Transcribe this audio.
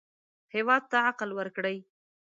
هېواد ته عقل ورکړئ